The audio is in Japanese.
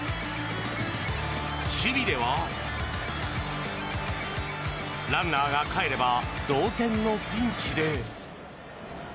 守備ではランナーがかえれば同点のピンチで。